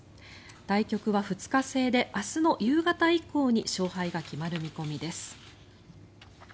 対局は２日制で明日の夕方以降に勝敗が決まる見込みです。